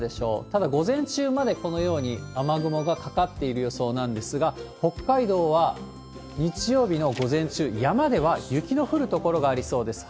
ただ、午前中までこのように雨雲がかかっている予想なんですが、北海道は日曜日の午前中、山では雪の降る所がありそうです。